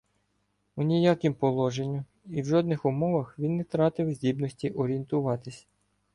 У ніякім положенню і в жодних умовах він не тратив здібності орієнтуватися.